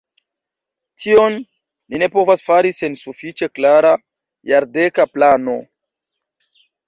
Tion ni ne povas fari sen sufiĉe klara jardeka plano.